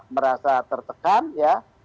merasa tertekan ya